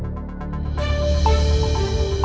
aku mau ke rumah